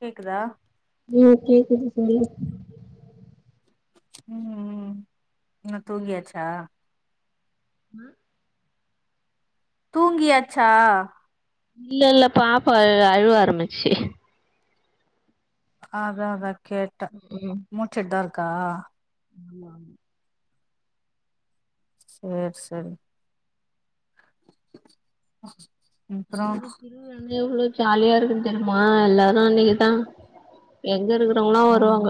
கேக்குதா ம் கேக்குது தோழி ம் ம் என்ன தூங்கியாச்சா ஆ தூங்கியாச்சா இல்லல்ல பாப்பா அ அழுவ ஆரம்பிச்சிச்சி ஆதாதா கேட்டே முழிச்சிட்தாருக்கா ஆமா சேர் செரி ஆ அதாவது திருவிழான எவ்ளோ ஜாலியா இருக்குன் தெரியுமா எல்லாரு அன்னைக்குத்தா எங்கருக்றவங்களா ஆமா வருவாங்க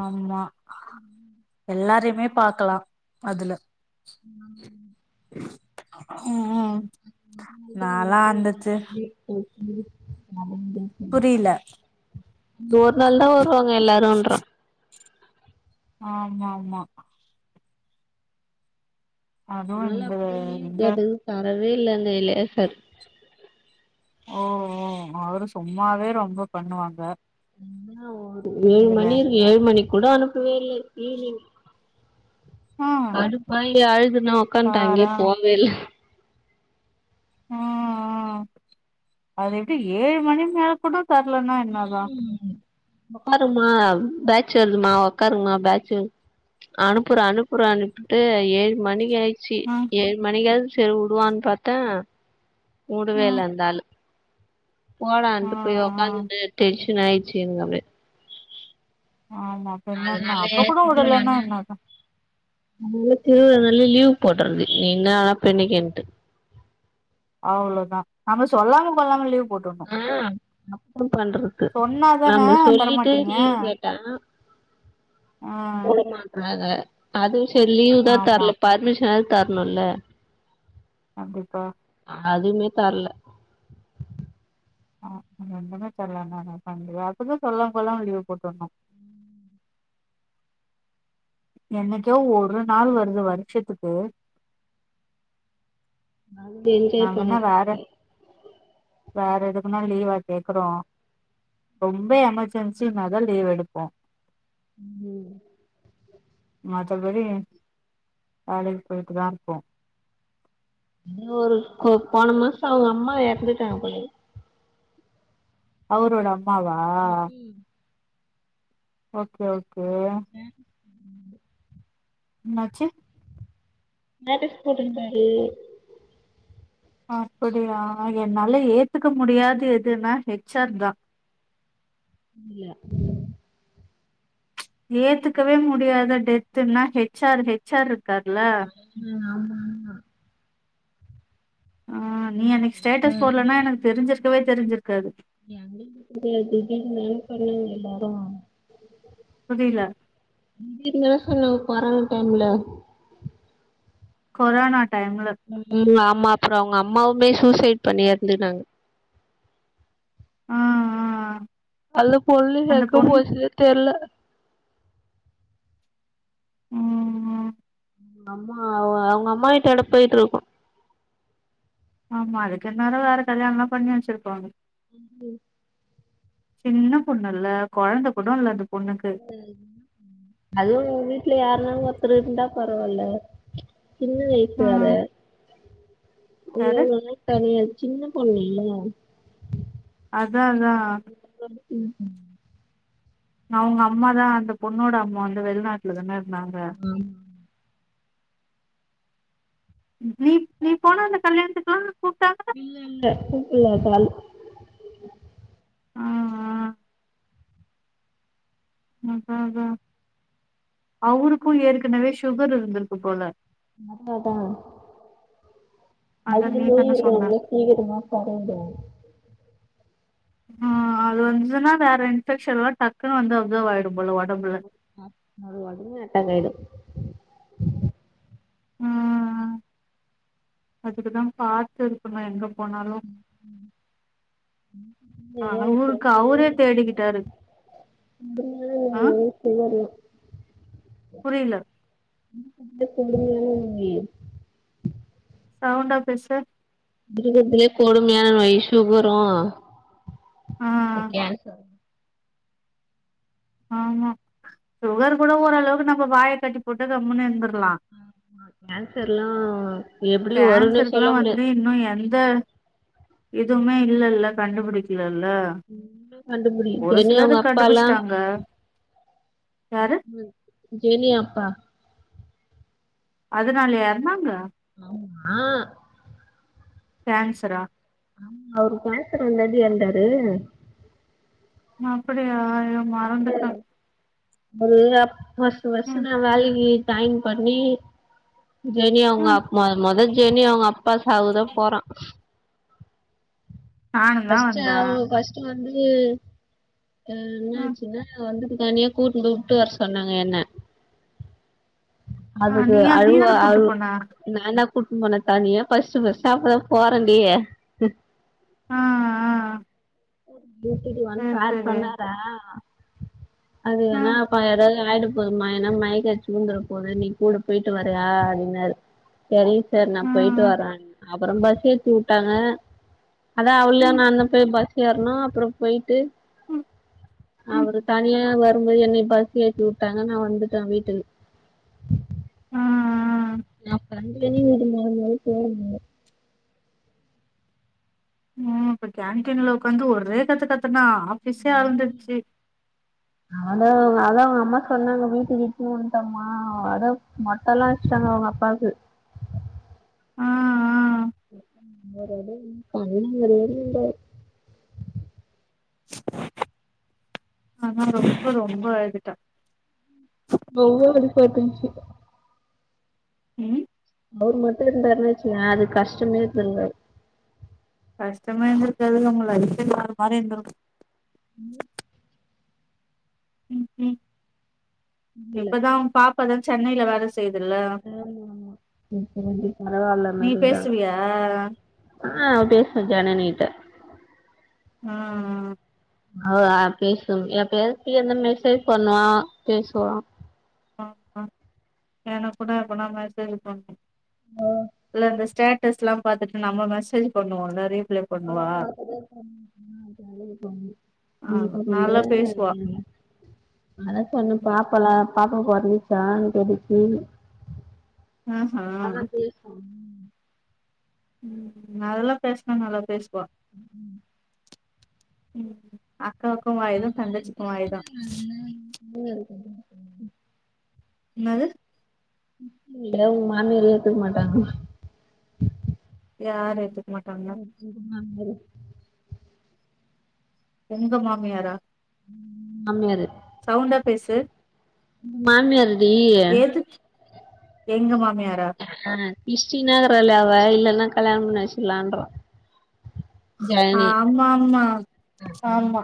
ஆமா எல்லாரையுமே பாக்கலா அதுல ஆ ம் ம் நாலா அந்துச்சு [unintelligible] புரியில இந்த ஒரு நாள் தா வருவாங்க எல்லாருன்ற ஆமாமா அதுவு நாலா இந்த அப்டிதா லீவ் எங்க கேட்டதுக்கு தரவே இல்ல அந்த எலேசர் ஓ ஓ அவரு சும்மாவே ரொம்ப பண்ணுவாங்க ஒரு ஏழு இதுல மணி இருக்கு ஏழு மணிக் கூட அனுப்பவே இல்ல கிளீனிங் ஆ கடுப்பாயி அழுதுனா உக்காந்ட்டே அங்கயே பாரா போவேல்ல ஆ ஆ அதெப்டி ஏழு மணி மேல கூட தரலனா என்னதா ஒக்காருமா பேட்ச் வர்துமா ஒக்காருமா பேட்ச்சு அனுப்புறே அனுப்புறேன்ட்டு ஏழு மணிக் ஆகி ச்சி ம் ஏழு மணிக்காவது செர் விடுவானு பாத்தா உடவே ம் இல்ல அந்த ஆளு ஆ போடான்ட்டு போய் ஒக்காந்துட்டு டென்ஷன் ஆய்டுச்சு எனக்கு அப்டியே ஆமா பின்ன என்ன அதனால அப்ப கூட விடலேனா என்ன அர்த்தம் நம்மளுக்கு அதலா லீவ் போட்றது நீ என்ன வேணா பண்ணிக்கன்டு அவ்ளோதா நம்ம சொல்லாம குல்லாம லீவ் போட்ருக்கோ ஆ அப்றோ பண்றது சொன்னாதானே நம்ம சொல்லிட்டு தரமாட்டீங்க லீவ் கேட்டா ஆ னாத அது செரி லீவ் தா ஆமா தர்ல பர்மிஷனாவது தரணுல்ல கண்டிப்பா அதுவுமே தர்ல ஆ ரெண்டுமே தரலானா என்ன பண்ண அப்பதா சொல்லாம கொல்லாம லீவ் போட்டுரணு என்னைக்கோ ஒரு நாள் வருது வருஷத்துக்கு அம்பில் நாங்கன்னா வேற வேற எதுக்குன்னா லீவா கேக்குறோ ரொம்ப எமர்ஜென்சினாதா லீவ் எடுப்போ ம் மத்தபடி வேலைக்கு போயிட்டு தா இருப்போ நீ ஒரு கு போன மாச அவுங்க அம்மா எறந்துட்டாங்க போலயே அவரோட அம்மாவா ம் ம் ஓகே ஓகே என்னாச்சு [unintelligible] போட்ருந்தாரு அப்படியா என்னால ஏத்துக்க முடியாது எதுன்னா ஹெச் ஆர் தா இல்ல ஏத்துக்கவே முடியாத டெத்துனா ஹெச் ஆர் ஹெச் ஆர் இருக்கார்ல ம் ஆமா ஆமா ஆ நீ அன்னைக்கி ஆ ஸ்டேட்டஸ் போட்லனா எனக்கு தெரிஞ்சிருக்கவே தெரிஞ்சிருக்காது என் அண்ணன் பசங்கள தூக்கிட்டு [unintelligible] பண்ணாங்க எல்லாரு புரியல [unintelligible] சொன்ன கொரோன டைம்ல கொரோனா டைம்ல ம் ம் ஆமா அப்புற அவுங்க அம்மாவுமே சூசைட் பண்ணி இறந்துட்டாங்க ஆ ஆ அந்த பொன்ணு அந்த எங்க பொண்ணு போச்சுனே தெர்ல ம் ம் ஆமா அவுங்க அம்மா வீட்டோட போயிட்டு இருக்கு ஆமா அதுக்கு இன்னேரோ வேற கல்யாணல்லா பண்ணி வச்சிருப்பாங்க ம் சின்ன பொண்ணு இல்ல குழந்த கூட இல்ல அது அதுவு வீட்ல யாருனாலு ஒருத்தரு இருந்தா பரவாயில்ல சின்ன வயசு ஆ வேற அது யாரு எவ்ளோனலு கறையாது சின்ன பொண்ணு இல்ல அதா அதா ரொம்ப சின்ன பொண்ணு அவுங்க அம்மா தா அந்த பொண்ணோட அம்மா வந்து வெளிநாட்ல தான இருந்தாங்க ம் நீ போன அந்த கல்யாணத்துக்குல்லா என்ன கூப்டா இல்ல இல்ல கூப்பில்ல [unintelligible] ஆ ஆ அதா அதா அவருக்கு ஏற்கனவே சுகர் இருந்திருக்கு போல அதா அதா அத நீ அதுலையே தான சொன்ன இருக்காங்கே சீக்கிரமா [unintelligible] ஆ அது வந்ததுன்னா வேற இன்ஃபெக்ஷன் எல்லா டக்குன்னு வந்து அப்சர்வ் ஆயிடும் போல உடம்புல அது ஒடனே அட்டாக் ஆயிடு அ அ அதுக்குதா பாத்து இருக்கணு எங்க போனாலு இது அ அவுருக்கு அவுரே தேடிக்கிட்டாரு அ சுகர்லா புரியல [unintelligible] சவுண்டா பேசு இருக்கதுலே கொடுமையான நோய் சுகரு ஆ இந்த கேன்சர் ஆமா சுகர் கூட ஓரளவுக்கு நம்ம வாய கட்டி போட்டு கம்முன்னு இருந்துர்லா ஆமா கேன்சர்லா கேன்சருக்குலா வந்து இன்னு எ ந்த எதுவுமே இல்லேல்ல கண்டுபிடிக்கலல்ல இன்னு கண்டுபிடி ஒரு ஜெனி சிலது அவுங்க அப்பால்லா கண்டுபிடிச்சிட்டாங்க யாரு ஜெனி அப்பா அதுனாலயா எறந்தாங்க ஆமா கேன்சரா ஆமா அவரு கேன்சர் வந்தான்டி எறந்தாரு அப்புடியா அய்யோ மறந்துட்ட அவரு ஃபர்ஸ்ட்டு ஃபர்ஸ்ட்டு ம் நா வேலைக்கி ஜாயின் பண்ணி ஜெனி அவுங்க ம் அப்பா மொத ஜெனி அவுங்க அப்பா சாவுக்கு தா போற நானு தா ஃபர்ஸ்ட்டு வந்தே அவு ஃபர்ஸ்ட்டு வந்து அ ம் இன்னாச்சுன்னா வந்து தனியா கூட்ன்னு போய் உட்டு வர சொன்னாங்க என்ன ஆ அதுக்கு நீயா நீ அழுவ தான கூட்டு அழு போன நான் தா கூட்ன்னு போன தனியா ஃபர்ஸ்ட்டு ஃபர்ஸ்ட்டு அப்பதா போறண்டி அ அ கூட்டிட்டு வந்து சார் சொன்னாரா அது வேணா ம் [unintelligible] ஆயிடப் போதுமா ஏனா மயக்க அடிச்சி உழுந்துற போது நீ கூட போயிட்டு வரியா அப்டின்னாரு செரிங்க சார் நா போயிட்டு ம் வர்ற அப்பறோ பஸ்ஸு ஏத்தி உட்டாங்க அதா அவளு ம் நானு போய் பஸ் ஏறுனோ அப்றோ போயிட்டு ம் ம் அவரு தனியா வ ரும் போது என்னய பஸ்ஸு ஏத்தி உட்டாங்க நா வந்துட்டே வீட்டுக்கு அ அ நா [unintelligible] கேளுங்க ம் அப்ப கேன்டீன்ல உக்காந்து ஒரே கத்து கத்துன்னா ஆஃபிஸே அளன்டுருச்சு அவளு அதா அவுங்க அம்மா சொன்னாங்க வீட்டுக்கு இட்டுனு வந்ட்டேம்மா அதா ம [unintelligible] வச்ட்டாங்க அவுங்க அப்பாக்கு ஆ [unintelligible] ஆனா அவ [unintelligible] ரொம்ப அழுதுட்டா [unintelligible] ம் அவுர் மட்டு இருந்தாருனு வச்சுக்யே அதுக்கு கஷ்டமே இருந்துருக்காது கஷ்டமே இருந்திருக்காதுல்ல உங்க லைஃப்பு வேற மாரி இருந்திருக்கு ம் ம் ம் இல்ல இப்பதா அவுங் பாப்பதா சென்னையில வேல செய்துல்ல ஆமா ஆமா இப்பதாண்டி நீ பரவால்லாம இருக்கிறாங்க பேசுவியா அ அ பேசுவே ஜனனிட்ட அ அ அவ பேசசு எப்பையாது ஃபிரீயா இருந்தா மெசேஜ் பண்ணுவா பேசுவா அ அ எனக்கு கூட எப்பனா மேசேஜ் பண்ணு இல்ல இந்த ஸ்டேட் டஸ்ல்லா பாத்துட்டு நம்ம மெசேஜ் பண்ணுவோல ரீப்ளை ஆ பண்ணுவா அதுலே [unintelligible] அ [unintelligible] நீ ஆமா எப்ப பண்ற நல்லா பேசுவா அப்டினாங்க அதா சொன்னே பாப்பலா பாப்பா பொறந்துருச்சான்னு கேட்டுச்சு ஆஹா அதல்லா பேசு ம் அதெல்லா பேசுனா நல்லா பேசுவா ம் ம் ம் அக்காவுக்கு வாயிதா தங்கச்சிக்கு வாயிதா நீங்க எதுக்கு வந்திங்க என்னது இல்ல உங்க மாமியார் ஏத்துக்க மாட்டாங்களா யாரு ஏத்துக்க மாட்டாங்களா உங்க மாமியாரு உங்க மாமியாரா உன் மாமியாரு சவுண்டா பேசு உன் மாமியாரு எதுக் எங்க மாமியாரா ஆ இஷ்டினே இருக்கிறாள அவ இல்லன்னா கல்யாணம் பண்ணி வச்சிடலான்றோ ஆம்மாமா ஆமா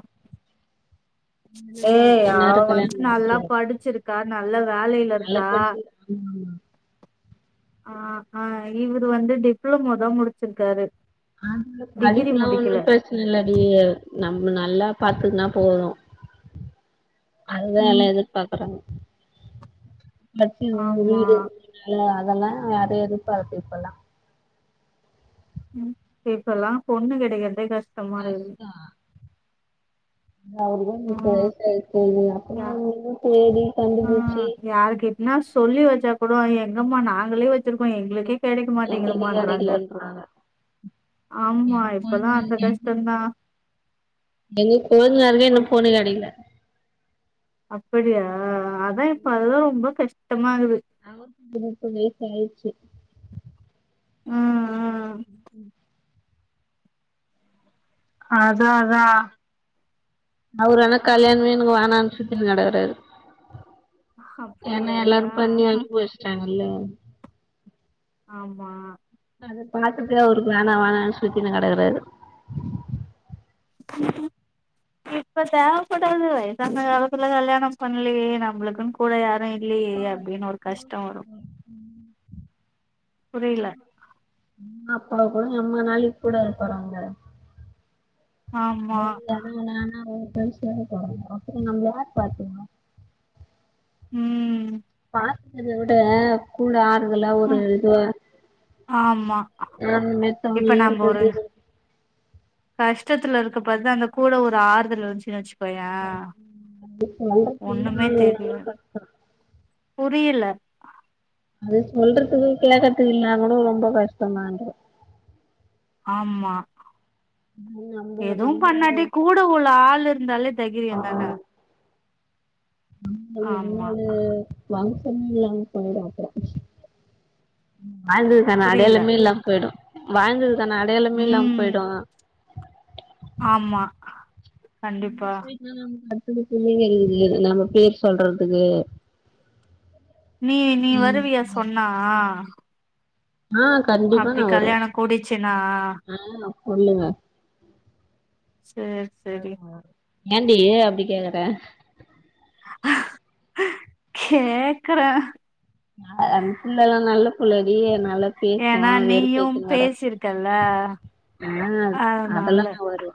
இன்னு ஏய் கொஞ்ச அவ நேரோ வந்து கல்யாணம் பண்ணி வச்சிருவாங்க நல்லா படிச்சிருக்கா நல்ல வேலைல இருக்கா ம் ஆ அ இவரு வந்து டிப்ளமோ தா முடிச்சிருக்காரு ஆண்களுக்கு டிகிரி படிப்புல்லா ஒண்ணு முடிக்கல பிர சன இல்லடி நம்ம நல்லா பாத்துக்குன்னா போது அதுதா எல்லா ம் எதிர் பாக்குறாங்க ஃபஸ்ட் இவுங்க ஆமா வீடு வேல எல்லா‌ அதெல்லா அது எதிர் பாத்து இப்பல்லா உம் இப்பல்லா பொண்ணு கெடைக்கறதே கஷ்டமா இருக்குது‌. இந்த ஆளுக்கும் இப்ப ம் வயசாயிடுச்சி இல்லயா யா ஆவுது சேரி ஆ யாரு கிட்னா சொல்லி வச்சா கூட எங்கம்மா நாங்களே வச்சிருக்கோ எங்களுக்கே கிடைக்க எங்களுக்கு மாட்டேங்கதுமான்றாங்க கெடைக்கலன்றாங்க ஆமா இப்பல்லா அந்த கஷ்டந்தா எங்க கொழுந்தனாருங்கே இன்னும் பொண்ணு கிடைக்கல அப்பிடியா அத்தா இப்ப அதுதா ரொம்ப கஷ்டமா இருக்குது அவருக்கும் இப்ப முப்பது வயசு ஆயிடுச்சு உம் உம் அத்தா அத்தா அவரு ஆனா கல்யாணமே எனக்கு வேணானு சுத்திட்டு கிடக்கறாரு ஏன்னா அப்படியா யா எல்லாரும் பண்ணி அனுபவிச்சிட்டாங்கல்ல ஆமா அத பாத்துட்டு அவரு வேணா வேணானு சுத்தினு கிடக்கறாரு [unintelligible] இப்ப இப்ப தேவப்படாது வயசான காலத்துல கல்யாணம் பண்லயே நம்மளுக்குன்னு கூட யாரும் இல்லயே அப்டின்னு ஒரு கஷ்டோ வரும் புரில அப்ப அவ கூட ரொம்ப நாளைக்கு கூட இருப்பாராங்க ஆமா [unintelligible] ம் பாக்கறத விட கூட ஆறுதலா ஒரு ம் இதுவா இருக் ஆமா வேணும்னே இப்ப தம்பிய நம்ம ஒரு கூட்டிட்டு கஷ்டத்துல இருக்க பேர்தா அந்த கூட ஒரு ஆறுதல் இருன்சுன்னு வச்சுக் கோயே சொல்றதுக்கு ஒன்னுமே ஆள் தெரியாது இல்லனா புரியல அது சொல்றதுக்கு கிழக்கத்துல இல்லன்னா கூட ரொம்ப கஷ்டந்தான்ற ஆமா நம்ம எதும் நம்மளோட பண்ணாட்டி கூட உள்ள ஆளு இருந்தாலே தெகிரியம் தான ஆமா நம்மளோடு [unintelligible] ம் வாழ்ந்ததுக்கான புரியல அடையாளமே இல்லாம போய்டும் வாழ்ந்ததுக்கான அடையாளமே இல்லாம ம் போயிடும் ஆமா கண்டிப்பா [unintelligible] நம்ம பேர் சொல்றதுக்கு நீ நீ வருவியா சொன்னா நா கண்டிப்பா அப்டி வருவ கல்யாணம் கூடிச்சுன்னா ஆ சொல்லுங்க சேர் செரி வருவே ஏன்டி அப்டி கேக்குற கேக்கறே நா அது குள்ளெல்லா நல்ல பிள்ளடி நல்லப் பேசுவோ ஏன்னா வெறுப் நீயும் ஏத்தினுகிட பேசிருக்கல்ல ஆ அதனால அதெல்லா நா வருவே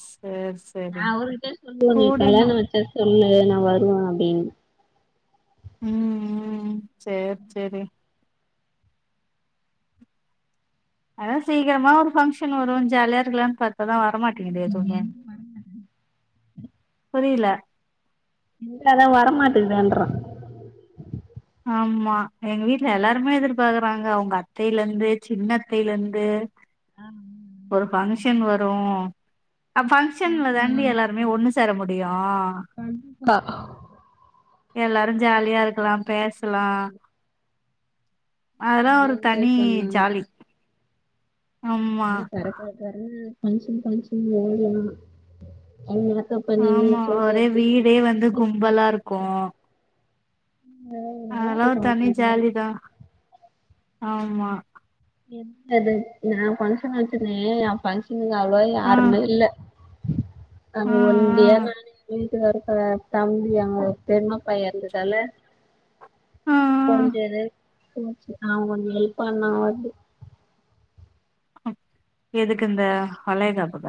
ஸ் சேர்ஸ் நா அவருகிட்டயே சொல்லுவே நீ கல்யாணம் வச்சா சொல்லு நா வருவே அப்படின்னு ம் ம் சேர் சேரி அத்தா சீக்கிரமா ஒரு ஃபங்க்ஷன் வரும் ஜாலியா இருக்கலான்னு பாத்தாதா வர மாட்டிங்குதே எதுவுமே புரியல இல்ல இல்ல வரமாட்டிங்குதேன்ற ஆமா எங்க வீட்ல எல்லாருமே எதிர் பாக்குறாங்க அவுங்க அத்தையில இருந்து சின்ன அத்தையில இருந்து ஆ ஆ ஒரு ஃபங்க்ஷன் வரும் அ பங்க்ஷன்ல பாக்கலா தாண்டி எல்லாருமே ஒன்னு சேர முடியு கண்டிப்பா எல்லாரு ஜாலியா இருக்கலா பேசலா அதெல்லா நல்லா ஒரு என்ஜாய் தனி பண்லா ஜாலி ஆமா நல்லா கரக்கரக்கரன்னு டென்ஷன் டென்ஷன் ஓவரு ஓவரு [unintelligible] ஆமா ஒரே வீடே வந்து கும்பலா இருக்கும் அதுல்லா ஒரு தனி ஜாலிதா ஆமா என்னது எதோ பங்க்ஷன் வச்சிருந்தே என் பங்க்ஷனுக்கு அவ்ளோ ஆ யாருமே இல்ல நாங்க ஆ ஆ ஒண்டியா நானும் எங்க வீட்டுகாரும் த தம்பி அவங்க பெரிமாப் பையன் இருந்ததால ஆ ஆ கொறஞ்சது [unintelligible] அவன் கொஞ்சோ ஹெல்ப் பண்ணா வந்து எதுக்கு இந்த அளைகாப்புகா